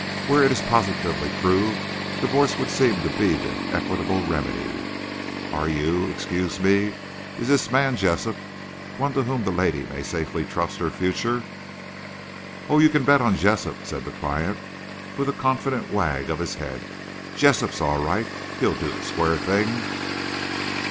Where it is positively proved, divorce would seem to be the equitable remedy. Are you—excuse me—is this man Jessup one to whom the lady may safely trust her future?" "Oh, you can bet on Jessup," said the client, with a confident wag of his head. "Jessup's all right. He'll do the square thing.